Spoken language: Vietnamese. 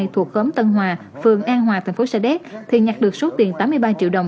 thuộc góm tân hòa phường an hòa thành phố sa đéc thì nhặt được số tiền tám mươi ba triệu đồng